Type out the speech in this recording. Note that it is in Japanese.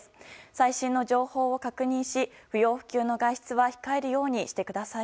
最新の情報を確認し不要不急の外出は控えるようにしてください。